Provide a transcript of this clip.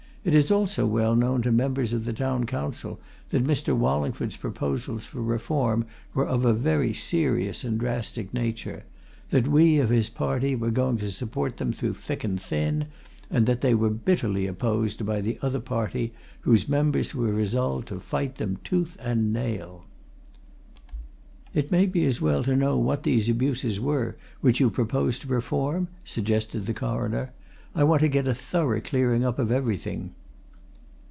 It is also well known to members of the Town Council that Mr. Wallingford's proposals for reform were of a very serious and drastic nature, that we of his party were going to support them through thick and thin, and that they were bitterly opposed by the other party, whose members were resolved to fight them tooth and nail." "It may be as well to know what these abuses were which you proposed to reform?" suggested the Coroner. "I want to get a thorough clearing up of everything."